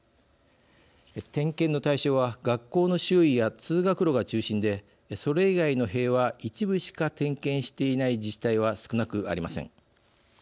点検の対象は学校の周囲や通学路が中心でそれ以外の塀は一部しか点検していない自治体は少なくありません。